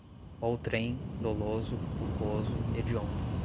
outrem, doloso, culposo, hediondo